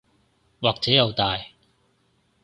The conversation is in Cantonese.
或者又大